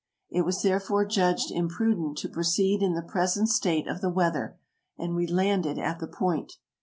It was therefore judged imprudent to proceed in the present state of the weather, and we landed at the point.